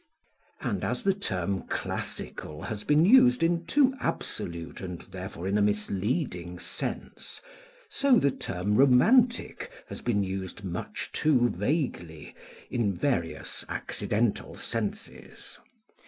And as the term, classical, has been used in a too absolute, and therefore in a misleading sense, so the term, romantic, has been used much too vaguely, in various accidental senses.